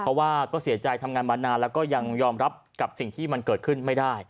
เพราะว่าก็เสียใจทำงานมานานแล้วก็ยังยอมรับกับสิ่งที่มันเกิดขึ้นไม่ได้